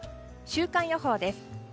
週間予報です。